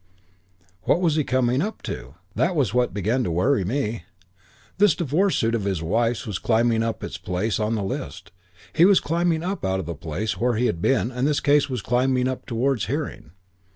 "What was he coming up to? That was what began to worry me. This divorce suit of his wife's was climbing up its place in the list. He was climbing up out of the place where he had been and this case was climbing up towards hearing.